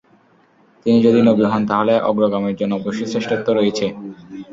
তিনি যদি নবী হন তাহলে অগ্রগামীর জন্য অবশ্যই শ্রেষ্ঠত্ব রয়েছে।